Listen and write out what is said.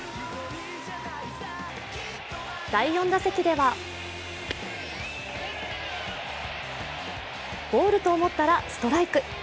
第４打席ではボールと思ったらストライク。